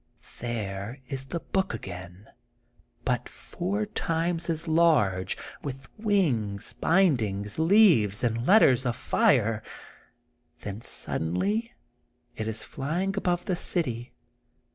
There is the book again, but four times as large, with wings, binding, leaves, and letters of fire. Then suddenly it is flying above the city.